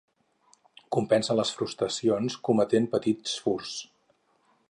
Compensa les frustracions cometent petits furts.